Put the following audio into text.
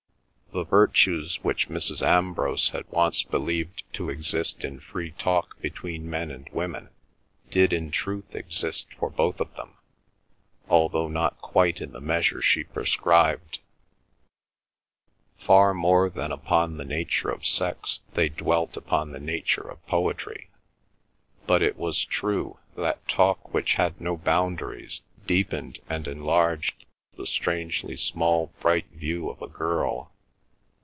The virtues which Mrs. Ambrose had once believed to exist in free talk between men and women did in truth exist for both of them, although not quite in the measure she prescribed. Far more than upon the nature of sex they dwelt upon the nature of poetry, but it was true that talk which had no boundaries deepened and enlarged the strangely small bright view of a girl.